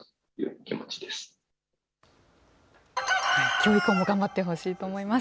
きょう以降も頑張ってほしいと思います。